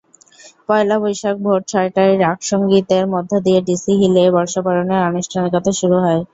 পয়লা বৈশাখ ভোর ছয়টায় রাগসংগীতের মধ্য দিয়ে ডিসি হিলে বর্ষবরণের আনুষ্ঠানিকতা শুরু হয়।